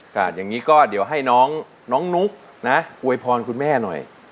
อย่างนี้ก็เดี๋ยวให้น้องนุ๊กนะอวยพรคุณแม่หน่อย